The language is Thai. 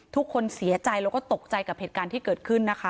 ทุกคนเสียใจแล้วก็ตกใจกับเหตุการณ์ที่เกิดขึ้นนะคะ